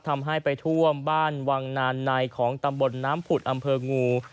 ทำให้ไปท่วมบ้านวังนานในของตำบลน้ำผุดอำเภองู